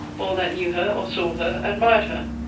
All that knew her, or saw her, admired her.